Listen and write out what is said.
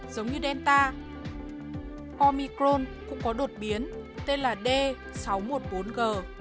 giống như delta homicron cũng có đột biến tên là d sáu trăm một mươi bốn g